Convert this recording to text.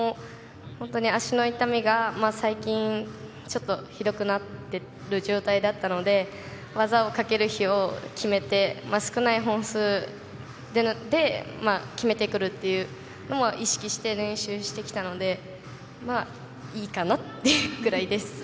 本当に足の痛みが最近、ちょっとひどくなっている状態だったので技をかける日を決めて少ない本数で決めてくるというのを意識して練習してきたのでまあいいかなっていうくらいです。